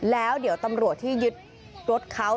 แล้วเดี๋ยวตำรวจที่ยึดรถเขา